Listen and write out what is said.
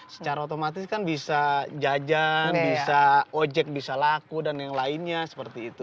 secara otomatis kan bisa jajan bisa ojek bisa laku dan yang lainnya seperti itu